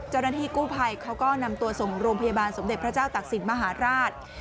เจ้าหน้าที่กู้ภัยเขาก็นำตัวส่งโรงพยาบาลสมเด็จพระเจ้าตักศิลปมหาราช